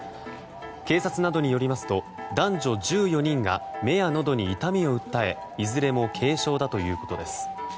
警察などによりますと男女１４人が目やのどに痛みを訴えいずれも軽症だということです。